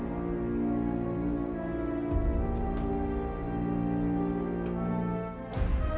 mana kalau rumah wanita itu boleh jadi rumah wanita